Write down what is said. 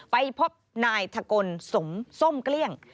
ไปพบนายทะกลสมส้มเกลี้ยง